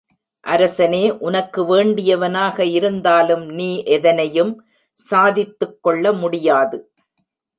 அரசனே உனக்கு வேண்டியவனாக இருந்தாலும் நீ எதனையும் சாதித்துக் கொள்ள முடியாது.